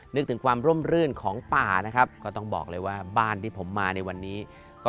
นึกถึงความร่มรื่นของป่านะครับก็ต้องบอกเลยว่าบ้านที่ผมมาในวันนี้ก็